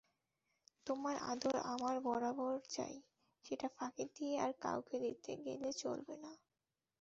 তোমার আদর আমার বরাবর চাই–সেটা ফাঁকি দিয়ে আর কাউকে দিতে গেলে চলবে না।